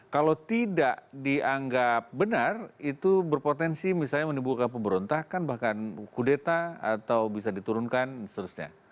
kalau tidak dianggap benar itu berpotensi misalnya menimbulkan pemberontakan bahkan kudeta atau bisa diturunkan dan seterusnya